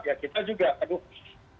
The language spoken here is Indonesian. ya kita juga aduh